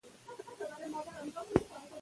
پسه د افغان نجونو د پرمختګ لپاره فرصتونه برابروي.